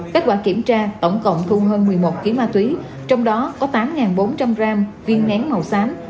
kết quả kiểm tra tổng cộng thu hơn một mươi một kg ma túy trong đó có tám bốn trăm linh g viên nén màu xám